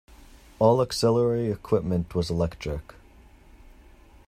All auxiliary equipment was electric.